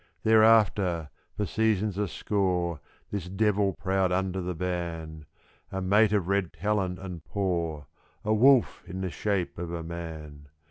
Thereafter, for seasons a score, this devil prowled under the ban; A mate of red talon and paw, a wolf in the shape of a man.